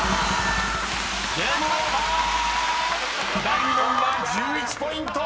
［第２問は１１ポイント！］